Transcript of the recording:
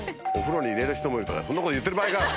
そんなこと言ってる場合か！